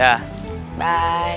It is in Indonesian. sampai jumpa lagi